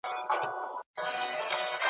لا به در اوري د غضب غشي ,